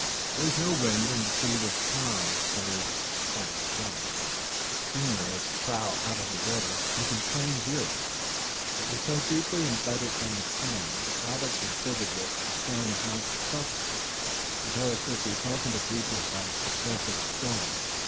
There was no wind and the sea was calm, save for a slight swell. The schooner, its prow out of the water, was in plain view. It was so deeply imbedded in the sand that Robert considered it a firm house of shelter, until it should be broken to pieces by successive storms.